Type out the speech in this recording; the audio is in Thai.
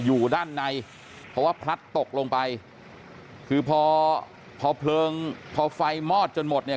อยู่ด้านในเพราะว่าพลัดตกลงไปคือพอพอเพลิงพอไฟมอดจนหมดเนี่ย